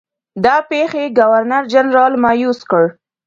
دا پیښې ګورنرجنرال مأیوس کړ.